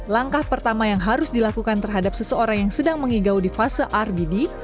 langkah pertama yang harus dilakukan terhadap seseorang yang sedang mengigau di fase rbd